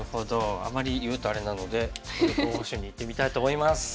あまり言うとあれなのでここで候補手にいってみたいと思います。